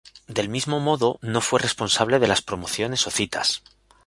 Del mismo modo, no fue responsable de las promociones o citas.